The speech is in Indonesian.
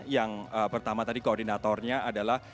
yang pertama tadi koordinatornya adalah